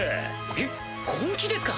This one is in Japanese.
えっ本気ですか？